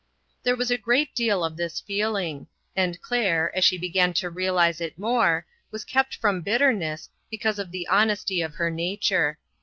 There was a great deal of this feeling; and Glaire, as she began to realize it more, WHS kept from bitterness because of the honesty of her nature.